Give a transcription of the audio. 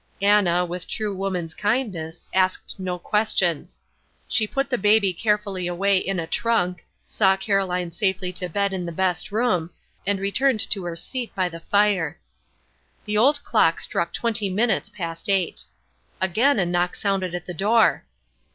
Anna, with true woman's kindness, asked no questions. She put the baby carefully away in a trunk, saw Caroline safely to bed in the best room, and returned to her seat by the fire. The old clock struck twenty minutes past eight. Again a knock sounded at the door.